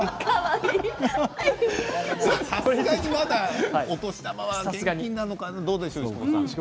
さすがにまだお年玉は現金なのかな。